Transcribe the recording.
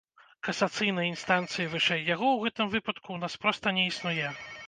Касацыйнай інстанцыі вышэй яго ў гэтым выпадку ў нас проста не існуе!